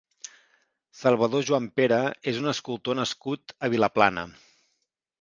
Salvador Juanpere és un escultor nascut a Vilaplana.